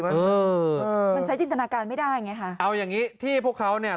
เออมันใช้จินตนาการไม่ได้ไงค่ะเอาอย่างงี้ที่พวกเขาเนี่ย